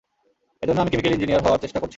এজন্য আমি chemical engineer হওয়ার চেষ্টা করছি।